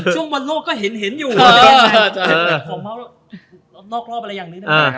ช่วงวันโลกก็เห็นอยู่